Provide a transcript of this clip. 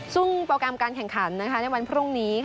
ซึ่งโปรแกรมการแข่งขันในวันพรุ่งนี้